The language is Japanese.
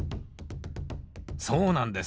そうなんです。